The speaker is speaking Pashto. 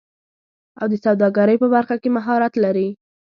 او د سوداګرۍ په برخه کې مهارت لري